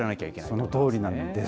そのとおりなんです。